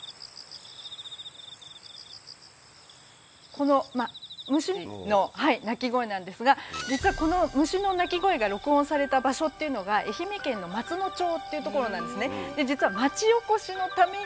この虫の鳴き声なんですが実はこの虫の鳴き声が録音された場所っていうのが愛媛県の松野町っていう所なんですね。